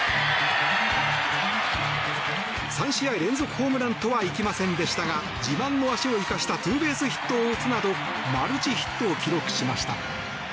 ３試合連続ホームランとはいきませんでしたが自慢の足を生かしたツーベースヒットを打つなどマルチヒットを記録しました。